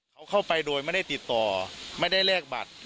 เขาเข้าไปโดยไม่ได้ติดต่อไม่ได้แลกบัตร